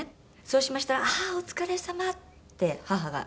そうしましたら「ああお疲れさま！」って母が。